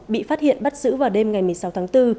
bị phát hiện bắt giữ vào đêm ngày một mươi sáu tháng bốn